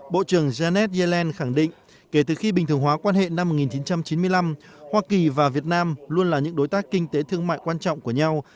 bộ trưởng janet yellen khẳng định kể từ khi bình thường hóa quan hệ năm một nghìn chín trăm chín mươi năm hoa kỳ và việt nam luôn là những đối tác kinh tế thương mại quan trọng của nhau